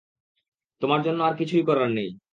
তোমার জন্য আর কিছুই করার নেই।